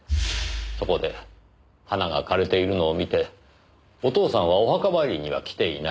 そこで花が枯れているのを見てお父さんはお墓参りには来ていない。